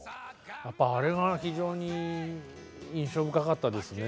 やっぱあれが非常に印象深かったですね。